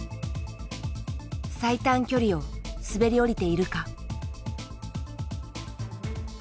最短距離を滑り降りているか。